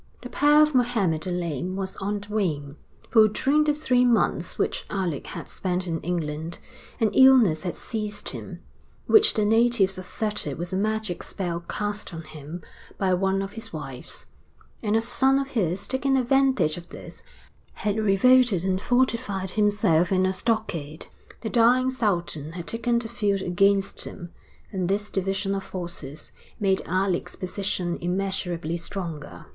The power of Mohammed the Lame was on the wane; for, during the three months which Alec had spent in England, an illness had seized him, which the natives asserted was a magic spell cast on him by one of his wives; and a son of his, taking advantage of this, had revolted and fortified himself in a stockade. The dying Sultan had taken the field against him, and this division of forces made Alec's position immeasurably stronger.